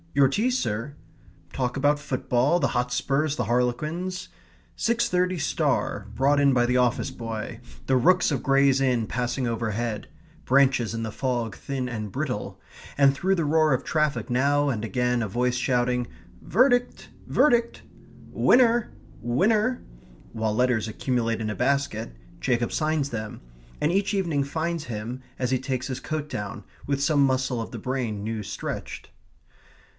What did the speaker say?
... "Your tea, sir."... Talk about football, the Hotspurs, the Harlequins; six thirty Star brought in by the office boy; the rooks of Gray's Inn passing overhead; branches in the fog thin and brittle; and through the roar of traffic now and again a voice shouting: "Verdict verdict winner winner," while letters accumulate in a basket, Jacob signs them, and each evening finds him, as he takes his coat down, with some muscle of the brain new stretched.